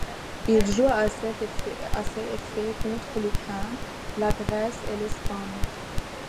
Il joue à cet effet contre l'Ukraine, la Grèce, et l'Espagne.